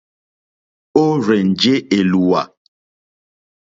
Ó rzènjé èlùwà.